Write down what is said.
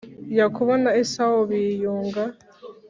Yakobo na esawu biyunga